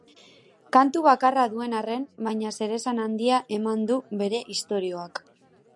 Kantu bakarra duen arren, baina zeresan handia eman du bere istorioak.